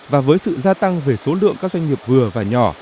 và với sự gia tăng về số lượng các doanh nghiệp vừa và nhỏ